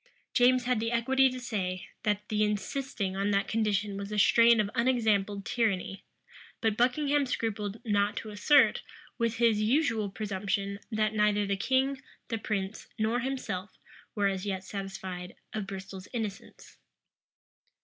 James had the equity to say, that the insisting on that condition was a strain of unexampled tyranny: but Buckingham scrupled not to assert, with his usual presumption, that neither the king, the prince, nor himself, were as yet satisfied of Bristol's innocence.